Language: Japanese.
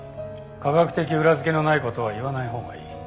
科学的裏付けのない事は言わないほうがいい。